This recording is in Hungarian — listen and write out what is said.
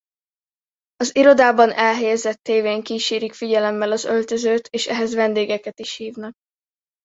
Az irodában elhelyezett tévén kísérik figyelemmel az öltözőt és ehhez vendégeket is hívnak.